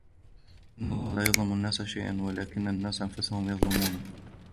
إِنَّ اللَّهَ لَا يَظْلِمُ النَّاسَ شَيْئًا وَلَكِنَّ النَّاسَ أَنْفُسَهُمْ يَظْلِمُونَ